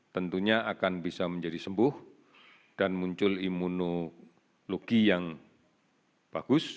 tentunya akan bisa menjadi sembuh dan muncul imunologi yang bagus